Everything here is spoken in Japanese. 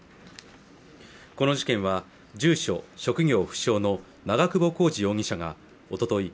この事件は住所職業不詳の長久保浩二容疑者がおととい